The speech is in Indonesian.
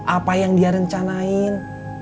apa yang dia rencanain